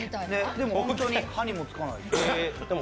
でも本当に歯にも付かない。